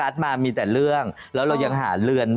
เออเอาว่าหาเรือนได้แล้วก็จะอยู่ร่มเย็นเป็นสุข